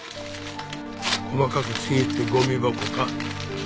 細かくちぎってゴミ箱か？